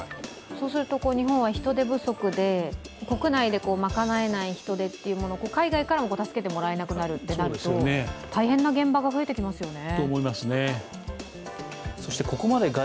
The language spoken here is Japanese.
そうすると日本は人手不足で、国内で賄えない人手を海外からも助けてもらえなくなるとなると、大変な現場が増えてきますね。